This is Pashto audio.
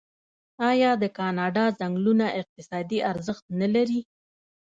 آیا د کاناډا ځنګلونه اقتصادي ارزښت نلري؟